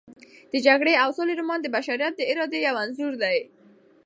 د جګړې او سولې رومان د بشریت د ارادې یو انځور دی.